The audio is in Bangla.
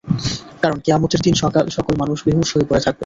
কারণ, কিয়ামতের দিন সকল মানুষ বেহুশ হয়ে পড়ে থাকবে।